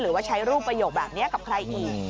หรือว่าใช้รูปประโยคแบบนี้กับใครอีก